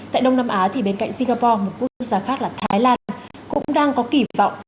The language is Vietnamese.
tại đông nam á thì bên cạnh singapore một quốc gia khác là thái lan cũng đang có kỳ vọng